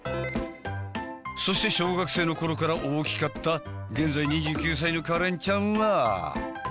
そして小学生の頃から大きかった現在２９歳のカレンちゃんは？